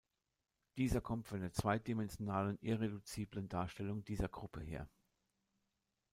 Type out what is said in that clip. Dieser kommt von der zweidimensionalen irreduziblen Darstellung dieser Gruppe her.